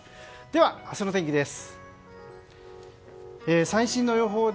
では、明日の天気です。